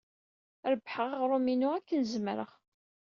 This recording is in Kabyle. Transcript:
Rebbḥeɣ aɣrum-inu akken zemreɣ.